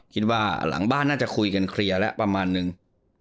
คิดว่าหลังบ้านน่าจะคุยกันเคลียร์แล้วประมาณนึง